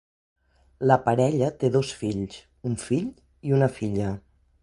La parella té dos fills: un fill i una filla.